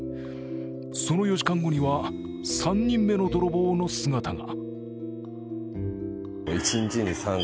その４時間後には３人目の泥棒の姿が。